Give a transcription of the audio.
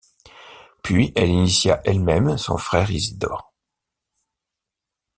Puis elle initia elle-même son frère Isidore.